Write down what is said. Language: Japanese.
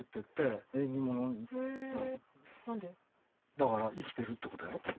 だから生きてるってことやろ。